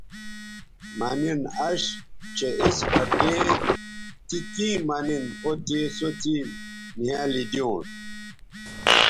مہ نِن اش چہء اِس بٹے تی کیں مہ نِن او تے سو څیز نِھیالی دیونݜ